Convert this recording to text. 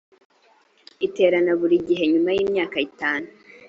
iterana buri gihe nyuma y imyaka itanu